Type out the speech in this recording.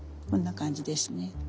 こんな感じですね。